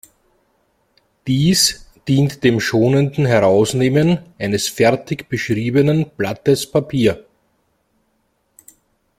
Dies dient dem schonenden Herausnehmen eines fertig beschriebenen Blattes Papier.